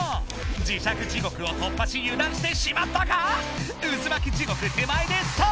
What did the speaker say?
磁石地獄を突破しゆだんしてしまったか⁉うずまき地獄手前でストップ！